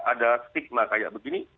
ada stigma seperti ini